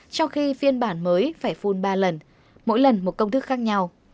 trong khi phiên bản mới phải phun ba lần mỗi lần một công thức khác nhau